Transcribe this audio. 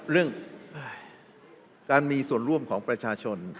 เรื่องการมีส่วนร่วมของประชาชน